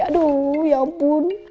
aduh ya ampun